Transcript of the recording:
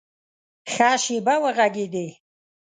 ښه شېبه وږغېدی !